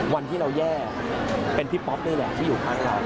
วันที่เราแย่เป็นพี่ป๊อปนี่แหละที่อยู่ข้างเรา